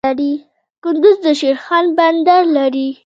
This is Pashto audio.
کندز د شیرخان بندر لري